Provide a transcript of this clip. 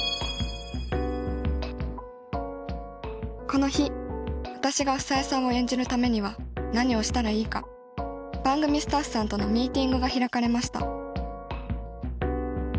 この日私が房枝さんを演じるためには何をしたらいいか番組スタッフさんとのミーティングが開かれました